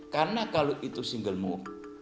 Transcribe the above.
karena kalau itu single move